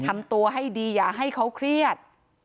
ทำตัวให้ดีอย่าให้เขาเครียด